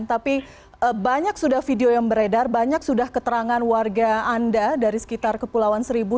tapi banyak sudah video yang beredar banyak sudah keterangan warga anda dari sekitar kepulauan seribu